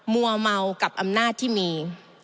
มัวเมากับอำนาจที่มี